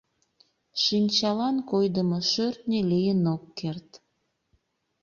Шинчалан койдымо шӧртньӧ лийын ок керт.